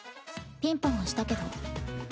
ピンポン押したけど。